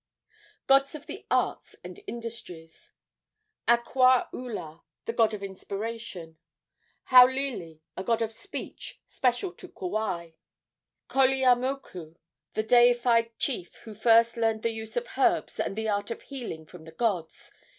Gods of the Arts and Industries. Akua ula, the god of inspiration. Haulili, a god of speech, special to Kauai. Koleamoku, the deified chief who first learned the use of herbs and the art of healing from the gods.